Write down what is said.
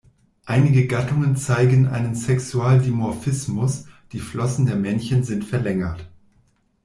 Einige Gattungen zeigen einen Sexualdimorphismus, die Flossen der Männchen sind verlängert.